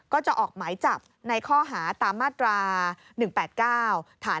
ก็จะออกหมายจับในข้อหาตามมาตรา๑๘๙